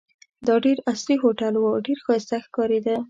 دا ډېر عصري هوټل وو، ډېر ښایسته ښکارېده.